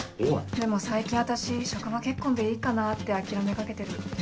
でも最近私職場結婚でいいかなって諦めかけてる。え？